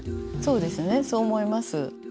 そうですねそう思います。